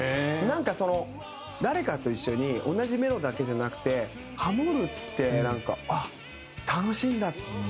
なんかその誰かと一緒に同じメロだけじゃなくてハモるってなんかあっ楽しいんだ！